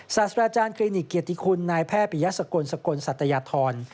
ศาสตราจารย์คลินิกเกียรติคุณนายแพทย์ปริยสกลสกลสัตยธร